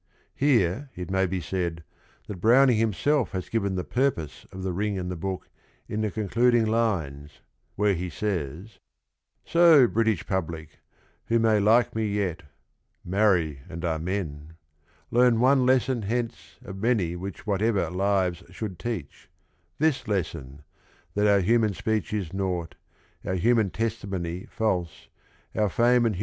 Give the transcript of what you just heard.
Here it may be said that Browning himself has given the purpose of The Ring arid the Book in the concluding lines, where he says: f ' So, British Public, who may like me yet, (Marry and amen 1) learn one lesson hence Of many which whatever lives should teach: This lesson, that our human speech is naught, Our human tes timony talse, our tanle ^* And Wfna.